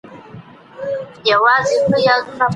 په لاس لیکلنه د رواني فشارونو د کمولو لپاره توصیه کیږي.